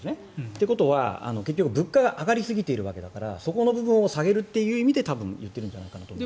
ということは結局物価が上がりすぎているからそこの部分を下げるという意味で言っているんじゃないかなと。